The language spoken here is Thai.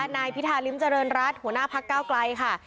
นายพิธาริมเจริญรัฐหัวหน้าพักเก้าไกลค่ะ